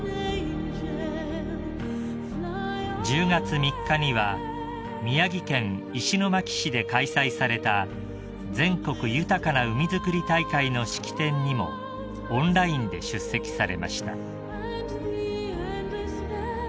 ［１０月３日には宮城県石巻市で開催された全国豊かな海づくり大会の式典にもオンラインで出席されました］